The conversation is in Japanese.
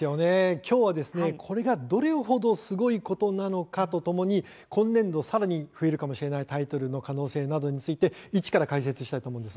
きょうは、それがどれほどすごいことなのかとともに今年度さらに増えるかもしれないタイトルの可能性などについて、一から解説したいと思います。